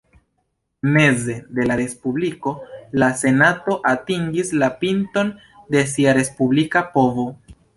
Meze de la Respubliko, la Senato atingis la pinton de sia respublika povo.